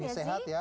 sehat ya sih